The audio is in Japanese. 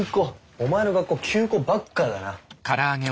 お前の学校休校ばっかだな。